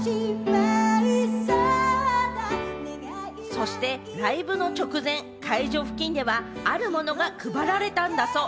そしてライブの直前、会場付近ではあるものが配られたんだそう。